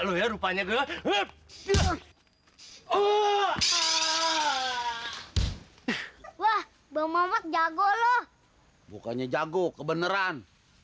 lu ya rupanya gue hehehe oh ah wah bang mamat jago loh bukannya jago kebeneran